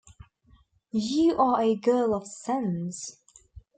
You are a girl of sense.